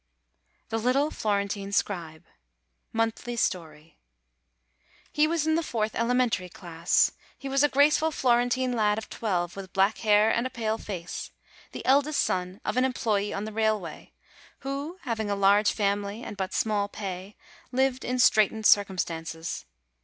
THE LITTLE FLORENTINE SCRIBE (Monthly Story.) He was in the fourth elementary class. He was a graceful Florentine lad of twelve, with black hair and a pale face, the eldest son of an employee on the rail way, who, having a large family and but small pay, lived in straitened circumstances.